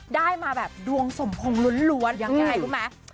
ได้มาแบบดวงสมพงษ์ล้วนยังไงรู้ไหม